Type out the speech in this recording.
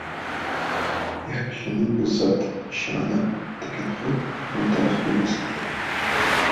Er kishining izzat, sha’ni — tekinxo‘r, hamtovoq bo‘lmaslikda.